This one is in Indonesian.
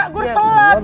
gue udah telat